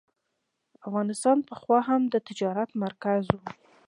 افغانستان پخوا هم د تجارت مرکز و.